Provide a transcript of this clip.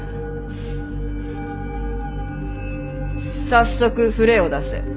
早速触れを出せ！